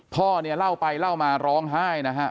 พ่อเนี่ยเล่าไปเล่ามาร้องไห้นะฮะ